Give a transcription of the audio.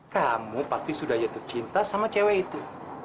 kamu pasti sudah jatuh cinta sama cewek itu